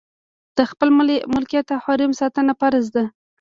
د خپل ملکیت او حریم ساتنه فرض ده.